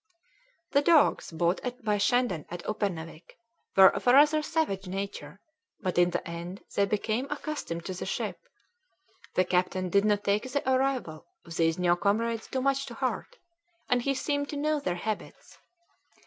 The dogs bought by Shandon at Uppernawik were of a rather savage nature, but in the end they became accustomed to the ship; the captain did not take the arrival of these new comrades too much to heart, and he seemed to know their habits.